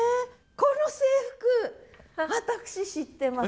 この制服私知ってます。